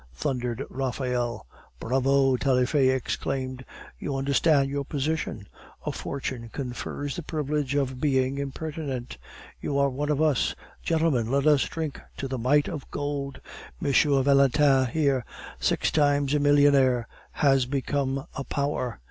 thundered Raphael. "Bravo!" Taillefer exclaimed; "you understand your position; a fortune confers the privilege of being impertinent. You are one of us. Gentlemen, let us drink to the might of gold! M. Valentin here, six times a millionaire, has become a power.